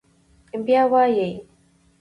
بيا وايي: